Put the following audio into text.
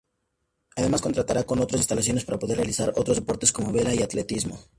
Además contará con otras instalaciones para poder realizar otros deportes, como vela y atletismo.